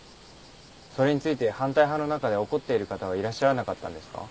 それについて反対派の中で怒っている方はいらっしゃらなかったんですか？